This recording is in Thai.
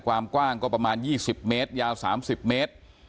ความกว้างก็ประมาณ๒๐เมตรยาว๓๐เมตร